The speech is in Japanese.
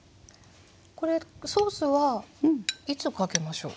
これソースはいつかけましょう？